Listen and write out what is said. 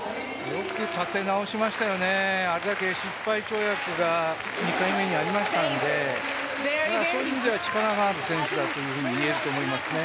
よく立て直しましたよね、あれだけ失敗跳躍が２回目にありましたので、そういう意味では力がある選手だと言えると思いますね。